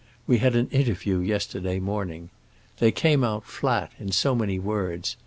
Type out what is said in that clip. We had an interview yesterday morning. They came out flat, in so many words.